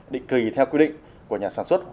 định kỳ theo quy định của nhà sản xuất